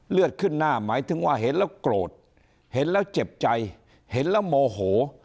เลือดขึ้นหน้าหมายถึงว่าเห็นแล้วโกรธเห็นแล้วเจ็บใจเห็นแล้วโมโห